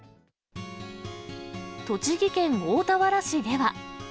栃木県大田原市では。